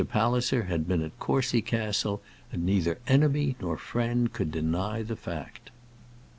Palliser had been at Courcy Castle, and neither enemy nor friend could deny the fact.